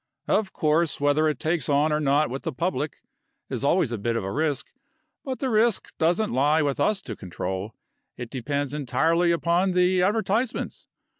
Of course, whether it takes on or not with the public is always a bit of a risk, but the risk doesn't lie with us to control. It depends entirely upon the advertisements.